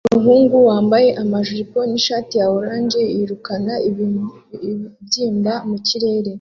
Umuhungu wambaye amajipo nishati ya orange yirukana ibibyimba mu kirere